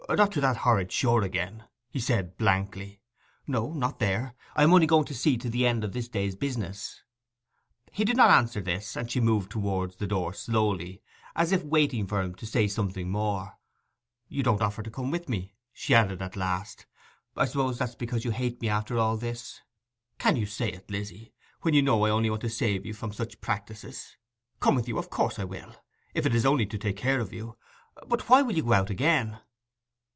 'Not to that horrid shore again?' he said blankly. 'No, not there. I am only going to see the end of this day's business.' He did not answer to this, and she moved towards the door slowly, as if waiting for him to say something more. 'You don't offer to come with me,' she added at last. 'I suppose that's because you hate me after all this?' 'Can you say it, Lizzy, when you know I only want to save you from such practices? Come with you of course I will, if it is only to take care of you. But why will you go out again?